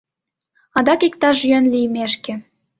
Адак иктаж йӧн лиймешке